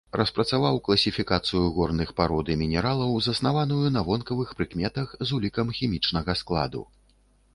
Распрацаваў класіфікацыю горных парод і мінералаў, заснаваную на вонкавых прыкметах з улікам хімічнага складу.